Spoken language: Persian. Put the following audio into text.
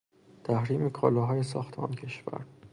تحریم کالاهای ساخت آن کشور